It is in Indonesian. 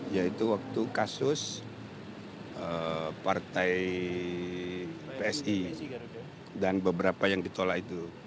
yaitu waktu kasus partai psi dan beberapa yang ditolak itu